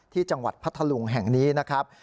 ที่จังหวัดพัทธลุงแห่งนี้นะครับ